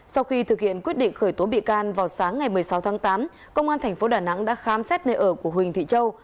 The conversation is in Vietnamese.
sau khi thực hiện quyết định khởi tố bị can vào sáng ngày một mươi sáu tháng tám công an tp đà nẵng đã khám xét nơi ở của huỳnh thị châu